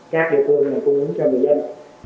các địa phương này cung ứng cho người dân